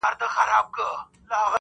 د دغه ښار ښکلي غزلي خیالوري غواړي.